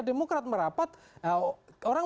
demokrat merapat orang